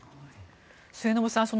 末延さん